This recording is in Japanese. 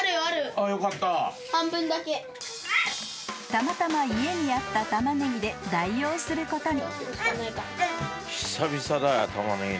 ［たまたま家にあったタマネギで代用することに］